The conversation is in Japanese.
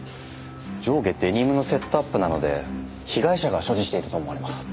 上下デニムのセットアップなので被害者が所持していたと思われます。